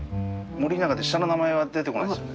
森永で下の名前は出てこないですよね？